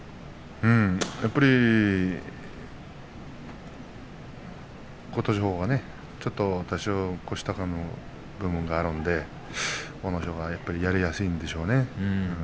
やっぱり琴勝峰がちょっと多少、腰高の部分があるので阿武咲がやりやすいんでしょうね。